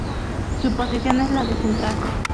Su posición es la de central.